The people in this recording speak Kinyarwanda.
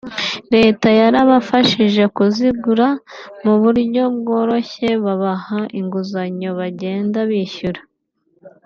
Leta yarabafashije kuzigura mu buryo bworoshye babaha inguzanyo bagenda bishyura